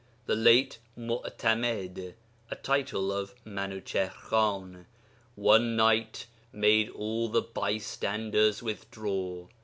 The late Meu'timed [a title of Minuchihr Khan], one night, made all the bystanders withdraw